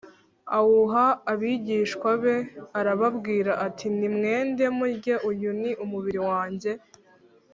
awuha abigishwa be arababwira ati “Nimwende murye, uyu ni umubiri wanjye.”